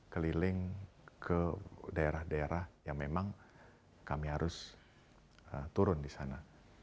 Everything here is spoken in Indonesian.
keliling ke daerah daerah yang memang kami harus turun di sana